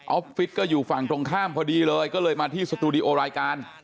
ฟิศก็อยู่ฝั่งตรงข้ามพอดีเลยก็เลยมาที่สตูดิโอรายการ